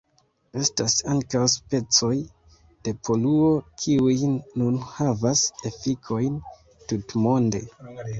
Estas ankaŭ specoj de poluo, kiuj nun havas efikojn tutmonde.